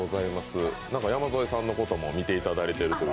山添さんのことも見ていただいているという？